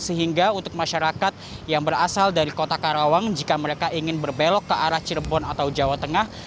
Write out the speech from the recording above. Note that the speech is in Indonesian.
sehingga untuk masyarakat yang berasal dari kota karawang jika mereka ingin berbelok ke arah cirebon atau jawa tengah